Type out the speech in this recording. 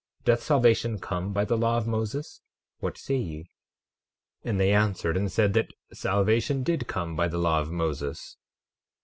Doth salvation come by the law of Moses? What say ye? 12:32 And they answered and said that salvation did come by the law of Moses.